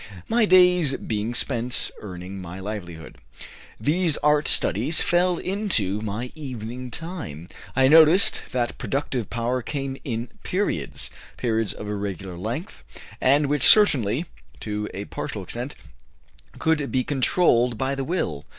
My days being spent earning my livelihood, these art studies fell into my evening time. I noticed that productive power came in periods periods of irregular length, and which certainly, to a partial extent, could be controlled by the will.